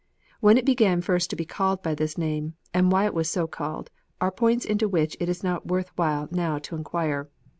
When it began first to be called by this name, and why it was so called, are points into which it is not worth while now to inquire.